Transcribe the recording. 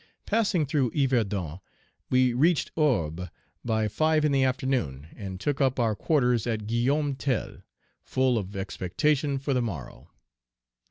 Passing through Yverdun, we reached Orbe by five in the afternoon, and took up our quarters at Guillaume Tell, full of expectation for the morrow.